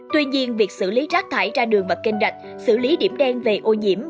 tuy nhiên việc xử lý rác thải ra đường và kênh rạch xử lý điểm đen về ô nhiễm